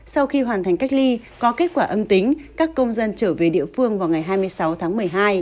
sau khi hoàn thành cách ly có kết quả âm tính các công dân trở về địa phương vào ngày hai mươi sáu tháng một mươi hai